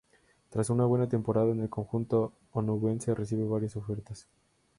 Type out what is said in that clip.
Tras una buena temporada en el conjunto onubense recibe varias ofertas.